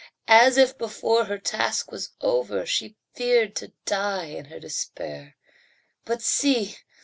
As if before her task was over She feared to die in her despair. But see!